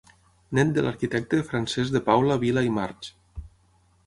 Nét de l'arquitecte Francesc de Paula Vila i March.